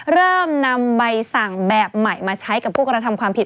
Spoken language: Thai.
เริ่มนำใบสั่งแบบใหม่มาใช้กับผู้กระทำความผิด